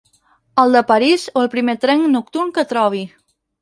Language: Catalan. El de París o el primer tren nocturn que trobi.